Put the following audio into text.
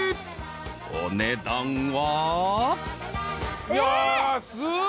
お値段は］